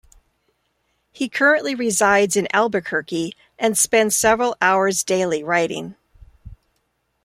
He currently resides in Albuquerque and spends several hours daily writing.